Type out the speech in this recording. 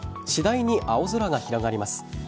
次第に青空が広がります。